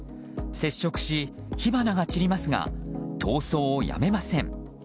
接触し火花が散りますが逃走をやめません。